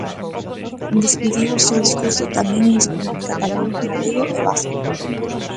Despediu o seu discurso tamén en español, catalán, galego e vasco.